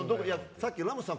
さっきラモスさん